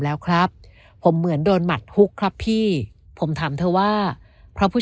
แล้วครับผมเหมือนโดนหมัดฮุกครับพี่ผมถามเธอว่าเพราะผู้